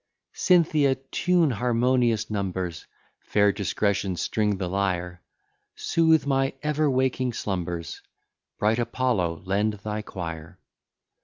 Cynthia, tune harmonious numbers; Fair Discretion, string the lyre; Sooth my ever waking slumbers: Bright Apollo, lend thy choir.